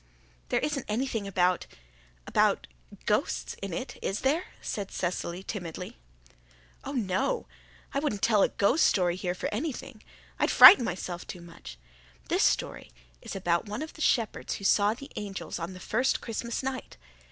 "There isn't anything about about ghosts in it, is there?" said Cecily timidly. "Oh, no, I wouldn't tell a ghost story here for anything. I'd frighten myself too much. This story is about one of the shepherds who saw the angels on the first Christmas night.